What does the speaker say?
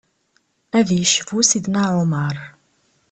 Ad yecbu Sidna Ɛumer.